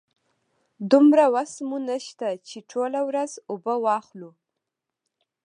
دومره وسه مو نشته چې ټوله ورځ اوبه واخلو.